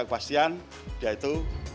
kepastian dia itu